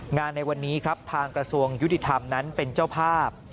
ในวันนี้ครับทางกระทรวงยุติธรรมนั้นเป็นเจ้าภาพ